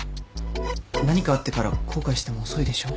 何かあってから後悔しても遅いでしょ。